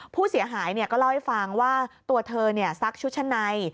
ผู้เสียหายก็เล่าให้ฟังว่าตัวเธอซักชุดชั้นใน